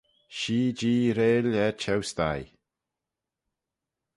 Shee Jee reill er çheu-sthie.